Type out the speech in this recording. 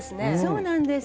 そうなんです。